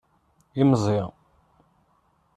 Imẓi.